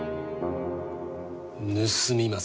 盗みまする。